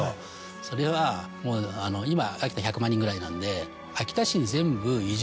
それはもう今秋田１００万人ぐらいなんで。